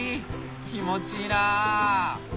気持ちいいな！